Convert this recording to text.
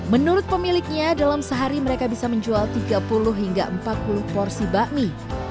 menurut pemiliknya dalam sehari mereka bisa menjual tiga puluh hingga empat puluh porsi bakmi